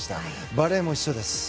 バレーも一緒です。